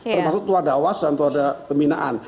termasuk tua dawas dan tuada pembinaan